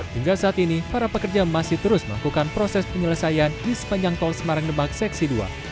hingga saat ini para pekerja masih terus melakukan proses penyelesaian di sepanjang tol semarang demak seksi dua